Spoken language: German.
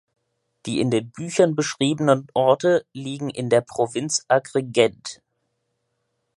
Die in den Büchern beschriebenen Orte liegen in der Provinz Agrigent.